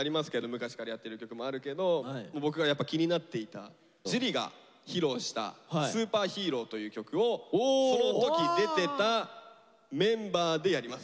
昔からやってる曲もあるけど僕がやっぱ気になっていた樹が披露した「ＳＵＰＥＲＨＥＲＯ」という曲をその時出てたメンバーでやります。